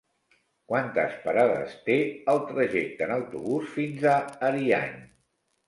Quantes parades té el trajecte en autobús fins a Ariany?